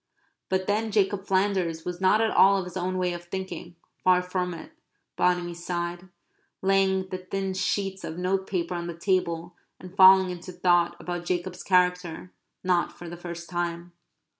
But then Jacob Flanders was not at all of his own way of thinking far from it, Bonamy sighed, laying the thin sheets of notepaper on the table and falling into thought about Jacob's character, not for the first time.